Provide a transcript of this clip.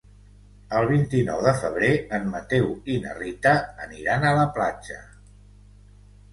El vint-i-nou de febrer en Mateu i na Rita aniran a la platja.